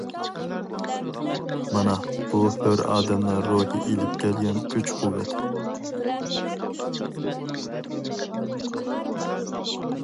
مانا بۇ ھۆر ئادەمنىڭ روھى ئېلىپ كەلگەن كۈچ-قۇۋۋەت.